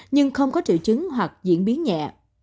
nhưng không có triệu chứng hoặc diễn biến nhẹ